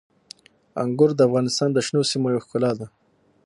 انګور د افغانستان د شنو سیمو یوه ښکلا ده.